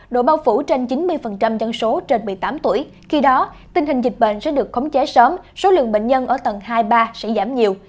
độ bao phủ trên chín mươi dân số trên một mươi tám tuổi khi đó tình hình dịch bệnh sẽ được khống chế sớm số lượng bệnh nhân ở tầng hai ba sẽ giảm nhiều